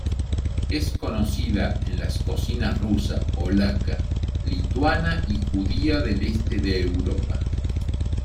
Es conocida en las cocinas rusa, polaca, lituana y judía del este de Europa.